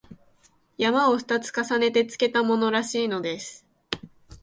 「山」を二つ重ねてつけたものらしいのです